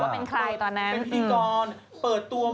อ๋อยังไม่ได้ระบุว่าเป็นใครตอนนั้น